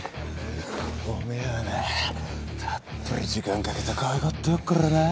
おめえはなたっぷり時間かけてかわいがってやっからな。